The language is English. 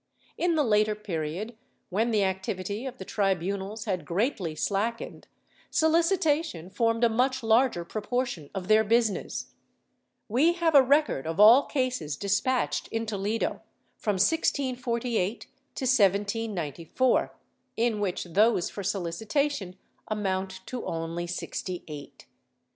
^ In the later period, when the activity of the tribunals had greatly slack ened, solicitation formed a much larger proportion of their busi ness.^ We have a record of all cases despatched in Toledo, from 1648 to 1794, in which those for solicitation amount to only sixty eight.